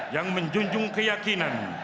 yang menjunjung keyakinan